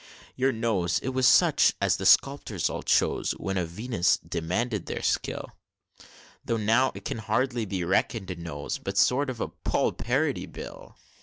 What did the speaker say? Your nose, it was such as the sculptors all chose, When a Venus demanded their skill; Though now it can hardly be reckon'd a nose, But a sort of Poll Parroty bill!